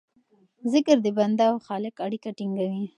ذکر د بنده او خالق اړیکه ټینګوي.